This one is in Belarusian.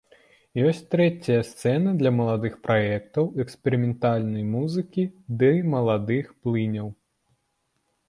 Ёсць трэцяя сцэна для маладых праектаў, эксперыментальнай музыкі ды маладых плыняў.